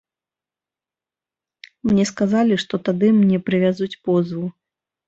Мне сказалі, што тады мне прывязуць позву.